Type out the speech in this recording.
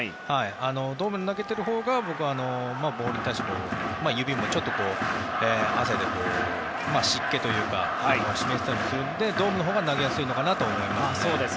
ドームで投げているほうが僕はボールに対しては指も、汗で湿気というか湿ったりもするのでドームのほうが投げやすいのかなと思います。